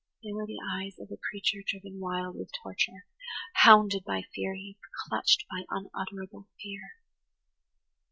They were the eyes of a creature driven wild with torture, hounded by furies, clutched by unutterable fear.